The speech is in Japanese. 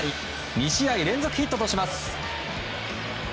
２試合連続ヒットとします。